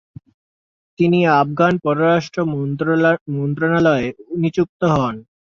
তিনি আফগান পররাষ্ট্র মন্ত্রণালয়ে নিযুক্ত হন।